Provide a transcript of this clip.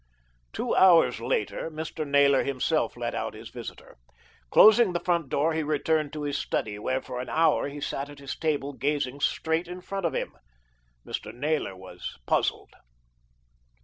Two hours later Mr. Naylor himself let out his visitor. Closing the front door, he returned to his study, where for an hour he sat at his table gazing straight in front of him. Mr. Naylor was puzzled.